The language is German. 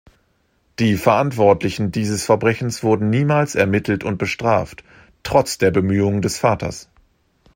Die Verantwortlichen dieses Verbrechens wurden niemals ermittelt und bestraft, trotz der Bemühungen des Vaters.